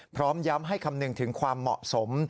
พร้อมย้ำให้คำนึงถึงความเหมาะสม